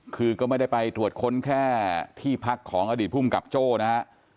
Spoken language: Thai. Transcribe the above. คือก็ไม่ได้ไปตรวจค้นแค่ที่พักของอดีตภูมิกับโจ้นะฮะ